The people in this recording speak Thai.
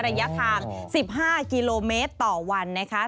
ระยะทาง๑๕กิโลเมตรต่อวันนะคะ